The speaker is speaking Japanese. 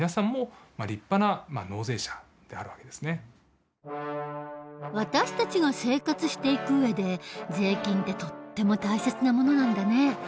中高生の皆さんは私たちが生活していく上で税金ってとっても大切なものなんだね。